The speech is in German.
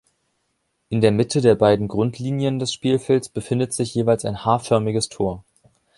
In der Mitte der beiden Grundlinien des Spielfelds befindet sich jeweils ein H-förmiges Tor.